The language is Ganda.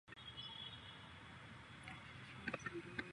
Okikkiriza ekyo bw'oba ggwe?